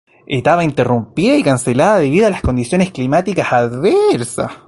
Etapa interrumpida y cancelada debido a condiciones climáticas adversas.